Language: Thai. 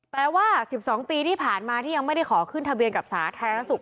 ว่า๑๒ปีที่ผ่านมาที่ยังไม่ได้ขอขึ้นทะเบียนกับสาธารณสุข